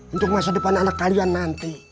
untuk masa depan anak kalian nanti